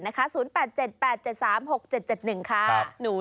หนูเลี้ยงไม่ยากจ้า